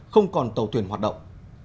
không còn tàu thuyền hoạt động